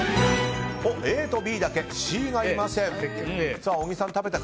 ＡとＢだけでＣがいません。